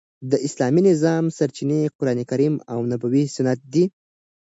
د اسلامي نظام سرچینې قران کریم او نبوي سنت دي.